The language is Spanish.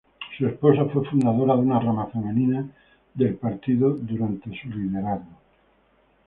Su esposa fue fundadora de una rama femenina del partido durante su liderazgo.